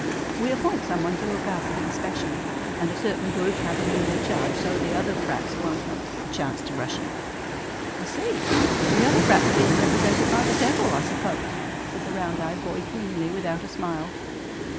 We appoint some one to look after him specially, and a certain group have him in their charge so the other frats won't have a chance to rush him " "I see. The other frats being represented by the devil, I suppose," said the round eyed boy keenly without a smile.